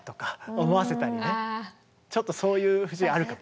ちょっとそういう節あるかも。